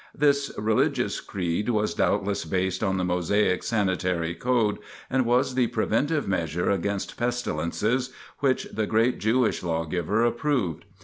This religious creed was doubtless based on the Mosaic sanitary code, and was the preventive measure against pestilences which the great Jewish law giver approved.